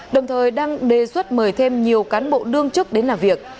đồng thời đang đề xuất mời thêm nhiều cán bộ đương chức đến làm việc